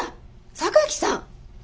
榊さん！